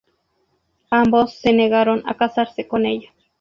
Ambos se negaron a casarse con ella.